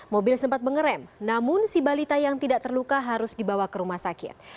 mobil sempat mengerem namun si balita yang tidak terluka harus dibawa ke rumah sakit